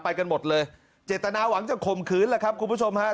กันหมดเลยเจตนาหวังจะข่มขืนแหละครับคุณผู้ชมฮะ